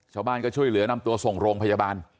ชาวบ้านก็ช่วยเหลือนำตัวส่งโรงพยาบาล